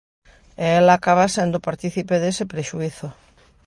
E ela acaba sendo partícipe dese prexuízo.